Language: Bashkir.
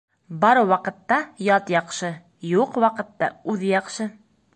Бар ваҡытта ят яҡшы, юҡ ваҡытта үҙ яҡшы.